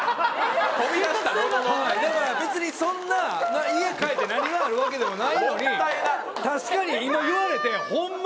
飛び出したもののだから別にそんな家帰って何があるわけでもないのに確かに今言われてホンマ